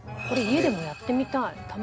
これ家でもやってみたい。